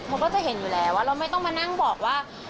มันก็จะเห็นอยู่แล้วว่าเราไม่ต้องมานั่งบอกว่า